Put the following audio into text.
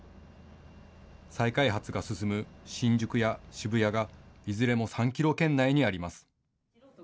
再開発が進む新宿や渋谷がいずれも３キロ圏内にあります。